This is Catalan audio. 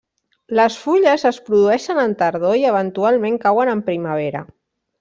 Les fulles es produeixen en tardor i eventualment cauen en primavera.